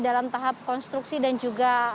dalam tahap konstruksi dan juga